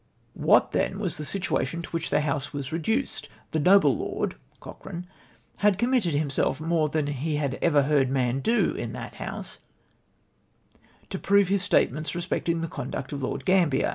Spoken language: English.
" What tlien was the situation to which the House was reduced? The noble lord (Cochrane) had committed himself more than he had ever heard man do in that Honse to prove his statements respecting the conduct of Lord Gambler.